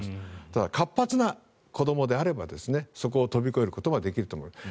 ただ活発な子どもであればそこを跳び越えることはできると思います。